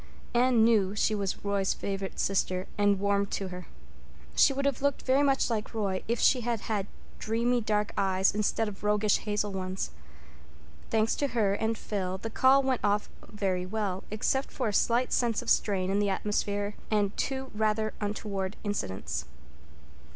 Anne knew she was Roy's favorite sister and warmed to her. She would have looked very much like Roy if she had had dreamy dark eyes instead of roguish hazel ones. Thanks to her and Phil, the call really went off very well, except for a slight sense of strain in the atmosphere and two rather untoward incidents.